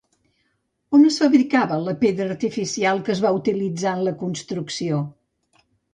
On es fabricava la pedra artificial que es va utilitzar en la construcció?